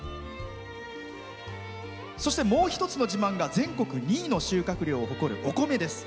そして、もう一つの自慢が全国２位の収穫量を誇るお米です。